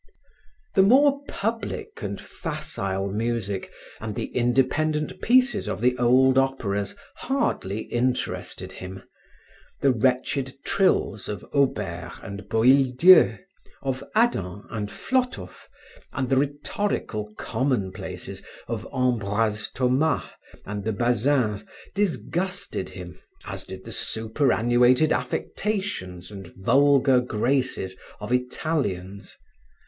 The more public and facile music and the independent pieces of the old operas hardly interested him; the wretched trills of Auber and Boieldieu, of Adam and Flotow and the rhetorical commonplaces of Ambroise Thomas and the Bazins disgusted him as did the superannuated affectations and vulgar graces of Italians.